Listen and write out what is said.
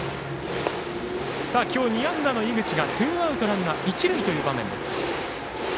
今日２安打の井口がツーアウトランナー、一塁という場面です。